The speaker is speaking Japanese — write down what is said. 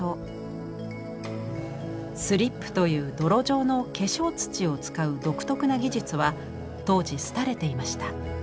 スリップという泥状の化粧土を使う独特な技術は当時廃れていました。